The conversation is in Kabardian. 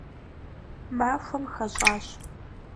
Махуэм хэщӏащ.